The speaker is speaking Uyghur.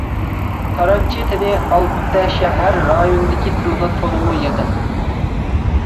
تارانچى تىلى ئالتەشەھەر رايونىدىكى تىلغا تولىمۇ يېقىن.